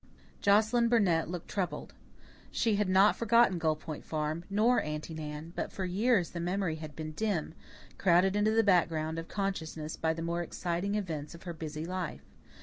Joscelyn Burnett looked troubled. She had not forgotten Gull Point Farm, nor Aunty Nan; but for years the memory had been dim, crowded into the background of consciousness by the more exciting events of her busy life.